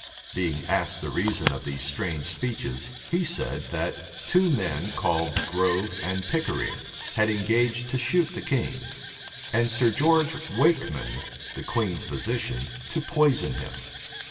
Being asked the reason of these strange speeches, he said, that two men, called Grove and Pickering, had engaged to shoot the king, and Sir George Wakeman, the queen's physician, to poison him.